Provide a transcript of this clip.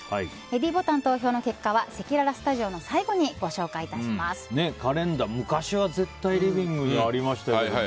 ｄボタン投票の結果はせきららスタジオの最後にカレンダー、昔は絶対リビングにありましたよね。